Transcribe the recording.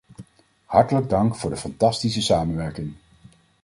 Hartelijk dank voor de fantastische samenwerking!